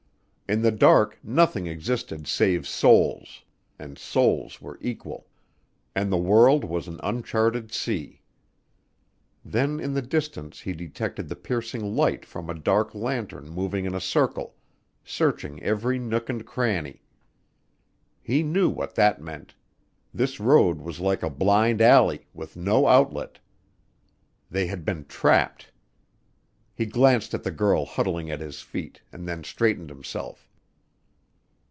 In the dark nothing existed save souls, and souls were equal. And the world was an uncharted sea. Then in the distance he detected the piercing light from a dark lantern moving in a circle, searching every nook and cranny. He knew what that meant; this road was like a blind alley, with no outlet. They had been trapped. He glanced at the girl huddling at his feet and then straightened himself.